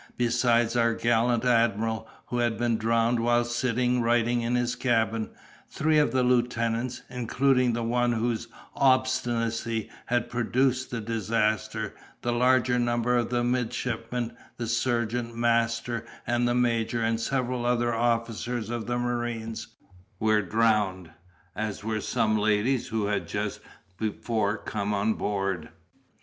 Besides our gallant admiral, who had been drowned while sitting writing in his cabin, three of the lieutenants, including the one whose obstinacy had produced the disaster, the larger number of the midshipmen, the surgeon, master, and the major, and several other officers of marines, were drowned, as were some ladies who had just before come on board.